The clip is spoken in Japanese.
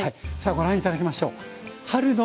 さあご覧頂きましょう！